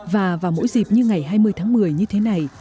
và vào mỗi dịp như ngày hai mươi tháng một mươi như thế này